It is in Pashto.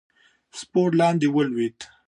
سپور لاندې ولوېد.